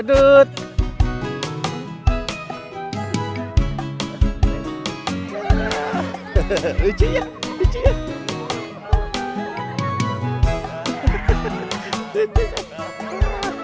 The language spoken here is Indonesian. itu hal abbiamo